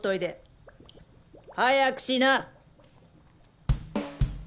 早くしな！